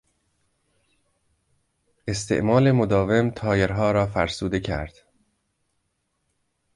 استعمال مداوم تایرها را فرسوده کرد.